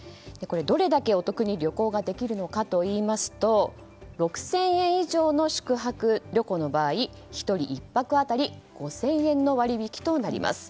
どれだけお得に旅行ができるのかといいますと６０００円以上の宿泊旅行の場合１人１泊当たり５０００円の割引となります。